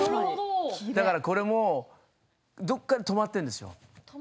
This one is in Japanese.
だからこれもどこかで止まっているんですよ。